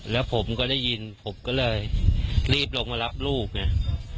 แล้วผมก็ได้ยินผมก็เลยรีบลงมารับลูกไง